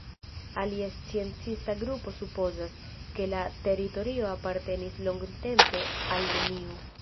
Alia sciencista grupo supozas, ke la teritorio apartenis longtempe al neniu.